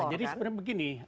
jadi sebenarnya begini